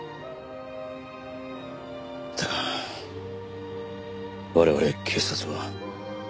だが我々警察は。